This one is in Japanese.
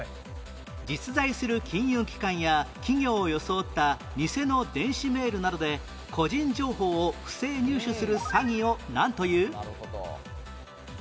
実在する金融機関や企業を装ったニセの電子メールなどで個人情報を不正入手する詐欺をなんという？